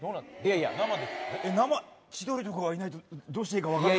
千鳥とかがいないとどうしていいか分からない。